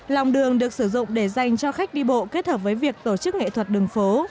lòng đường được sử dụng để dành cho khách đi bộ kết hợp với việc tổ chức nghệ thuật đường phố